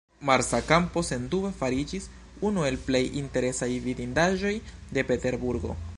Marsa Kampo, sendube, fariĝis unu el plej interesaj vidindaĵoj de Peterburgo.